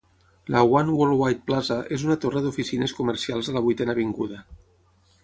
La One Worldwide Plaza és una torre d'oficines comercials a la Vuitena Avinguda.